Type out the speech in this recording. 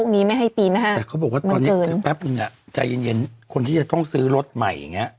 แต่เขาบอกว่าตอนนี้แป๊บหนึ่งใจเย็นคนที่จะต้องซื้อรถใหม่อย่างนี้